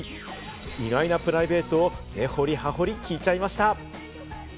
意外なプライベートを根掘り葉掘り聞いちゃいました。